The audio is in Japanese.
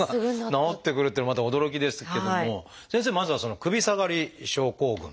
治ってくるっていうのもまた驚きですけども先生まずはその「首下がり症候群」。